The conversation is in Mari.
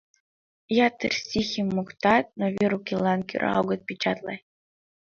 Ятыр стихем моктат, но вер укелан кӧра огыт печатле.